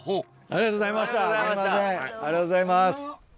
ありがとうございます。